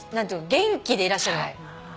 元気でいらっしゃるの。